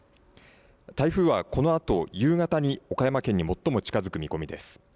台風はこのあと、夕方に岡山県に最も近づく見込みです。